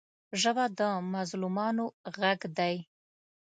ژبه د مظلومانو غږ دی